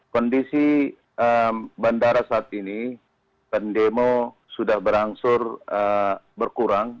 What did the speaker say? kondisi bandara saat ini pendemo sudah berangsur berkurang